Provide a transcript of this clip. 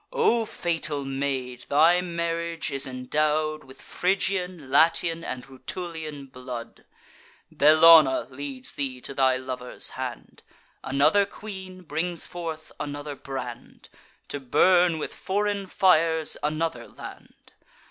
O fatal maid, thy marriage is endow'd With Phrygian, Latian, and Rutulian blood! Bellona leads thee to thy lover's hand; Another queen brings forth another brand, To burn with foreign fires another land!